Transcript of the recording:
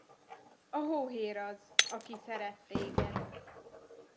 A hóhér az, aki szeret téged!